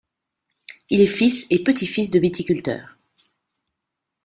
Il est fils et petit-fils de viticulteurs.